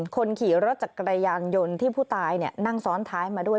คนขี่รถจักรยานยนต์ที่ผู้ตายนั่งซ้อนท้ายมาด้วย